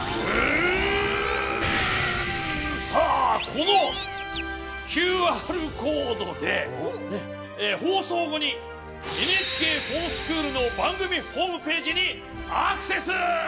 さあこのＱＲコードでねっ放送後に「ＮＨＫｆｏｒＳｃｈｏｏｌ」の番組ホームページにアクセス！